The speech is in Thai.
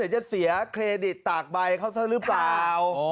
จะเสียเครดิตตากใบเขาซะหรือเปล่า